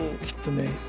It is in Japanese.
きっとね。